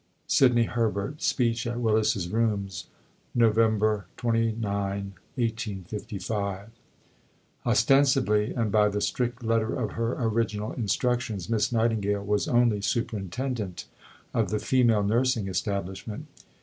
Sidney Herbert (speech at Willis's Rooms, Nov. 29, 1855). Ostensibly, and by the strict letter of her original instructions, Miss Nightingale was only Superintendent of the Female Nursing establishment.